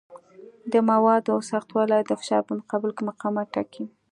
د موادو سختوالی د فشار په مقابل کې مقاومت ټاکي.